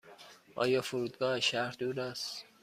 آیا فرودگاه از شهر دور است؟